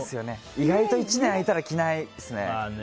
意外と１年空いたら着ないですね。